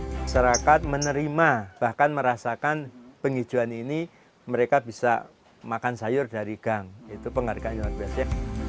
masyarakat menerima bahkan merasakan penghijauan ini mereka bisa makan sayur dari gang itu penghargaan luar biasa